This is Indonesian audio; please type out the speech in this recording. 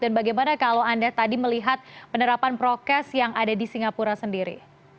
dan bagaimana kalau anda tadi melihat penerapan prokes yang ada di singapura sendiri